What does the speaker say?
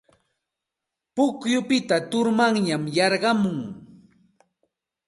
Pukyupita turmanyay yarqumun.